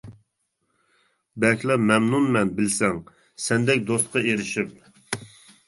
بەكلا مەمنۇن مەن بىلسەڭ، سەندەك دوستقا ئېرىشىپ.